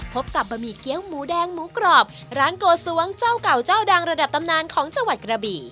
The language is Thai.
พบกับบะหมี่เกี้ยวหมูแดงหมูกรอบร้านโกสวงเจ้าเก่าเจ้าดังระดับตำนานของจังหวัดกระบี่